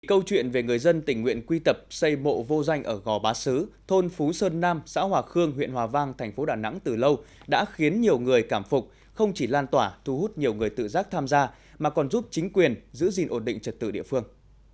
câu chuyện về người dân tình nguyện quy tập xây mộ vô danh ở gò bá sứ thôn phú sơn nam xã hòa khương huyện hòa vang thành phố đà nẵng từ lâu đã khiến nhiều người cảm phục không chỉ lan tỏa thu hút nhiều người tự giác tham gia mà còn giúp chính quyền giữ gìn ổn định trật tự địa phương